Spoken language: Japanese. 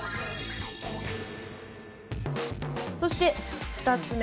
そして２つ目。